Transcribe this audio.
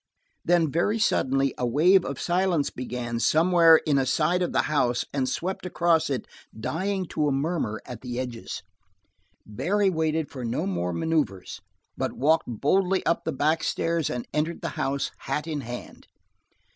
Then very suddenly a wave of silence began somewhere in a side of the house and swept across it, dying to a murmur at the edges. Barry waited for no more maneuvers, but walked boldly up the back stairs and entered the house, hat in hand.